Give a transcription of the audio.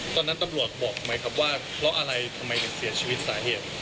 ตอนนั้นตำรวจบอกไหมครับว่าเพราะอะไรทำไมถึงเสียชีวิตสาเหตุ